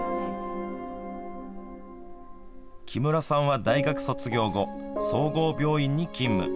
木村さんは大学卒業後総合病院に勤務。